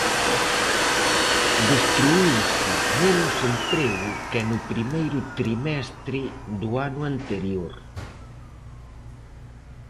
Destruíuse menos emprego que no primeiro trimestre do ano anterior.